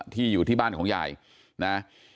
อยู่ที่บ้านของยายนะ